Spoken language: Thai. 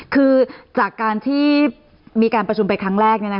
คือจากการที่มีการประชุมไปครั้งแรก